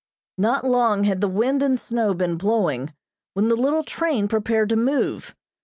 Not long had the wind and snow been blowing when the little train prepared to move.